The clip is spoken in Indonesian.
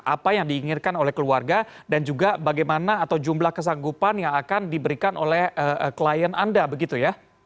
apa yang diinginkan oleh keluarga dan juga bagaimana atau jumlah kesanggupan yang akan diberikan oleh klien anda begitu ya